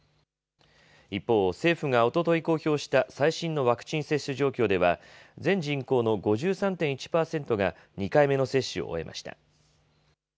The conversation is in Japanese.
一方、政府がおととい公表した最新のワクチン接種状況では、全人口の５３．１％が２回目の接種を終えました。